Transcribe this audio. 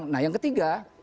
nah yang ketiga